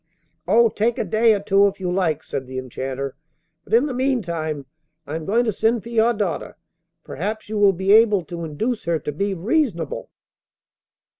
'Oh! take a day or two if you like,' said the Enchanter; 'but in the meantime, I am going to send for your daughter. Perhaps you will be able to induce her to be reasonable.